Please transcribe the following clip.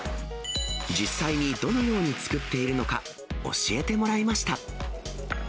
実際にどのように作っているのか、教えてもらいました。